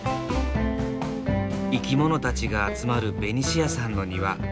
生き物たちが集まるベニシアさんの庭。